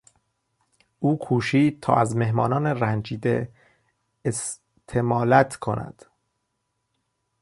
او کوشید تا از مهمانان رنجیده استمالت کند.